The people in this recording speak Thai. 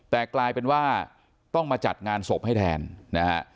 แต่กลายเป็นว่าต้องมาจัดงานศพให้แทนนะฮะ